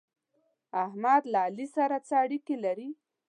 احمد له علي سره څه اړېکې لري؟